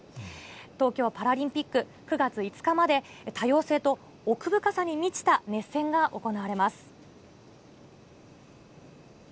東京パラリンピック、９月５日まで、多様性と奥深さに満ちた熱戦が行われます。